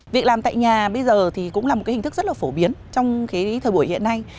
việc làm tại nhà bây giờ cũng là một hình thức rất phổ biến trong thời buổi hiện nay